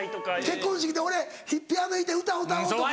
結婚式で俺ピアノ弾いて歌歌おうとか。